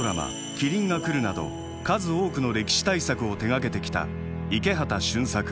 「麒麟がくる」など数多くの歴史大作を手がけてきた池端俊策。